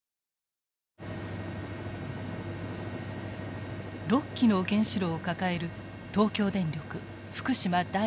６基の原子炉を抱える東京電力福島第一原子力発電所。